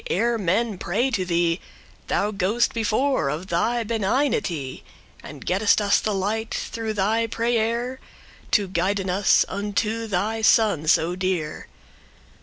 ere men pray to thee, Thou go'st before, of thy benignity, And gettest us the light, through thy prayere, To guiden us unto thy son so dear.